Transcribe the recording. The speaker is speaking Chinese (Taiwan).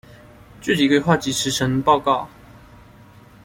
具體規劃及時程報告